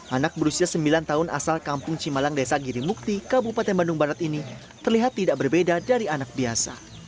anak berusia sembilan tahun asal kampung cimalang desa girimukti kabupaten bandung barat ini terlihat tidak berbeda dari anak biasa